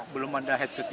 belum ada perlengkapan